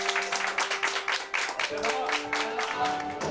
お疲れさま！